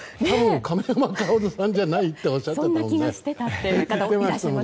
亀山薫さんじゃない？っておっしゃってたもんね。